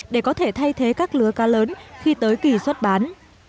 để có thể thay thế các lứa ca lớn khi tới kỳ xuất bán